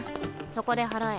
そこで払え。